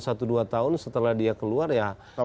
satu dua tahun setelah dia keluar ya